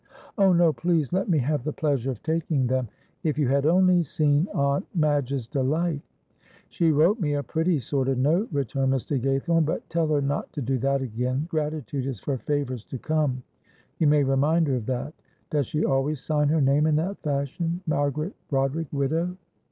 "Oh, no; please let me have the pleasure of taking them. If you had only seen Aunt Madge's delight " "She wrote me a pretty sort of note," returned Mr. Gaythorne; "but tell her not to do that again, gratitude is for favours to come; you may remind her of that. Does she always sign her name in that fashion Margaret Broderick, widow